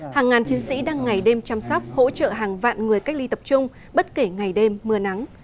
hàng ngàn chiến sĩ đang ngày đêm chăm sóc hỗ trợ hàng vạn người cách ly tập trung bất kể ngày đêm mưa nắng